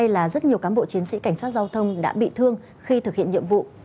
là rất nhiều cán bộ chiến sĩ cảnh sát giao thông đã bị thương khi thực hiện nhiệm vụ